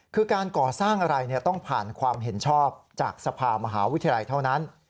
คือการก่อสร้างอะไรต้องผ่านความเห็นชอบจากสภามหาวิทยาลัยเท่านั้น